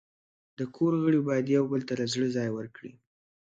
د کور غړي باید یو بل ته له زړه ځای ورکړي.